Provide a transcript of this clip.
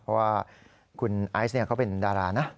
เพราะว่าคุณไอซ์เขาเป็นดารานะ